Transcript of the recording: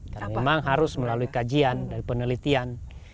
karena memang harus melalui kajian dari penelitian